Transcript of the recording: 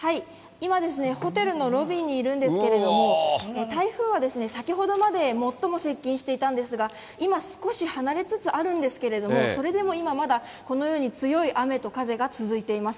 今ですね、ホテルのロビーにいるんですけれども、台風は先ほどまで最も接近していたんですが、今、少し離れつつあるんですけれども、それでも今まだ、このように強い雨と風が続いています。